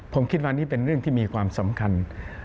ผมคิดว่านี่เป็นเรื่องที่มีความสำคัญ